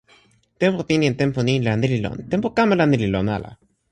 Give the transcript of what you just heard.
tenpo pini en tenpo ni la ni li lon. tenpo kama la ni li lon ala.